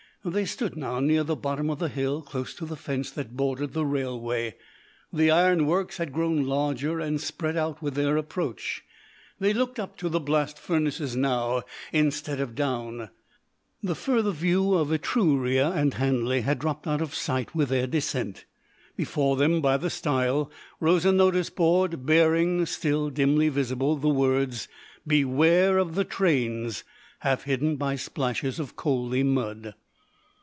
They stood now near the bottom of the hill, close to the fence that bordered the railway. The ironworks had grown larger and spread out with their approach. They looked up to the blast furnaces now instead of down; the further view of Etruria and Hanley had dropped out of sight with their descent. Before them, by the stile, rose a notice board, bearing, still dimly visible, the words, "BEWARE OF THE TRAINS," half hidden by splashes of coaly mud.